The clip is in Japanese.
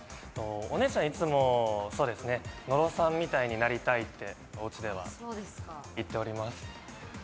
お姉ちゃん、いつも野呂さんみたいになりたいっておうちでは言っております。